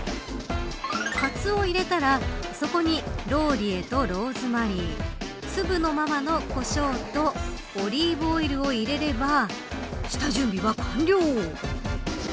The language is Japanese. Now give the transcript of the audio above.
カツを入れたらそこにローリエとローズマリー粒のままのコショウとオリーブオイルを入れれば下準備は完了。